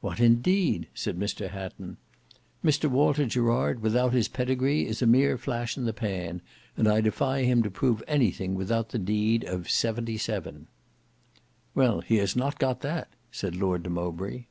"What indeed!" said Mr Hatton. "Mr Walter Gerard without his pedigree is a mere flash in the pan; and I defy him to prove anything without the deed of '77." "Well, he has not got that," said Lord de Mowbray.